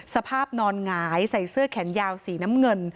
สภาพนอนหงายใส่เสื้อแขนยาวสีน้ำเงิน